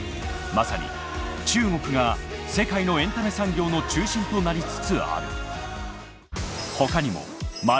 まさに中国が世界のエンタメ産業の中心となりつつある。